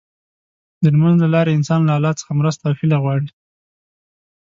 د لمونځ له لارې انسان له الله څخه مرسته او هيله غواړي.